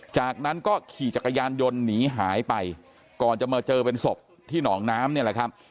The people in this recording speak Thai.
จากนั้นก็ขี่จักรยานยนต์หนีหายไปก่อนจะมาเจอเป็นศพที่หนองน้ำเนี่ยแหละครับ